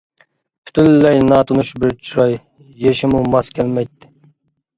پۈتۈنلەي ناتونۇش بىر چىراي، يېشىمۇ ماس كەلمەيتتى.